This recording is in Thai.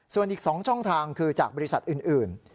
ส่วนอีก๒ช่องทางคือจากบริษัทอื่น